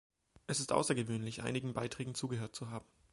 Es ist außergewöhnlich, einigen Beiträgen zugehört zu haben.